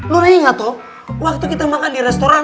lo ingat tuh waktu kita makan di restoran